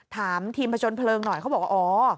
ถามทีมผจญเพลิงหน่อยเขาบอกว่าอ๋อ